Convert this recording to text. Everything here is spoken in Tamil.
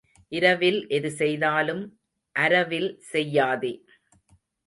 இரவில் எதுசெய்தாலும் அரவில் செய்யாதே.